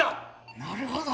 なるほど。